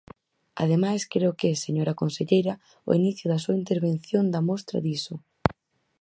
Ademais, creo que, señora conselleira, o inicio da súa intervención da mostra diso.